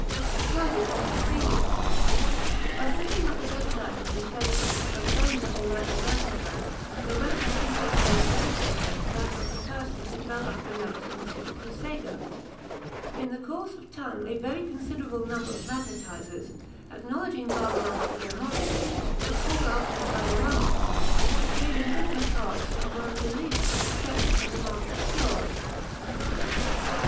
He tried it and succeeded. By sitting at the bedside of his patients, and praying that they might be magnetised, they went off into a state very similar to that of the persons who fell under the notice of M. de Puysegur. In the course of time a very considerable number of magnetisers, acknowledging Barbarin for their model, and called after him Barbarinists, appeared in different parts, and were believed to have effected some remarkable cures.